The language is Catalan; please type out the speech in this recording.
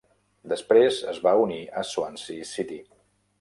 Després es va unir a Swansea City.